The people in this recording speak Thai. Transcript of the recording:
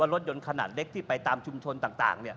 รถยนต์ขนาดเล็กที่ไปตามชุมชนต่าง